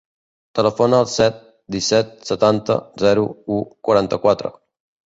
Telefona al set, disset, setanta, zero, u, quaranta-quatre.